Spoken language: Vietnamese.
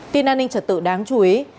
tin an ninh trật tự đáng chú ý